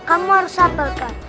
kamu harus satel kak